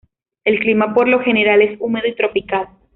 El clima por lo general es húmedo y tropical.